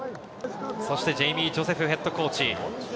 そしてジェイミー・ジョセフヘッドコーチ。